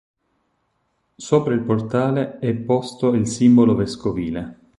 Sopra il portale è posto il simbolo vescovile.